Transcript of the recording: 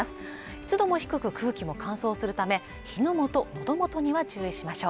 湿度も低く空気も乾燥するため火のもと喉元には注意しましょう。